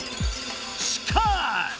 しかし！